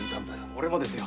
俺もですよ。